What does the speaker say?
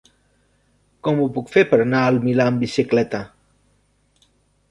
Com ho puc fer per anar al Milà amb bicicleta?